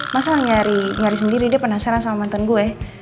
masa nyari nyari sendiri dia penasaran sama mantan gue